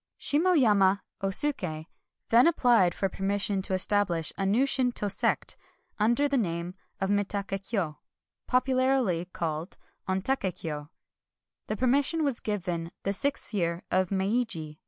Shimo yama Osuk^ then applied for permission to establish a new Shinto sect, under the name of Mitak^ Kyo, — popularly called Ontak^ Kyo ; and the permission was given in the sixth year of Meiji .